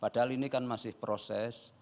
padahal ini kan masih proses